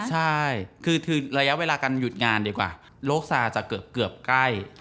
ใช่ที่ระยะเวลากันหยุดงานดีกว่าโรคสารุนจะเกือบใกล้